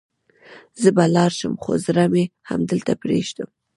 زه به لاړ شم، خو زړه مې همدلته پرېږدم.